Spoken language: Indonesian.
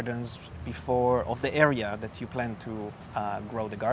dari area yang anda berniat untuk membangun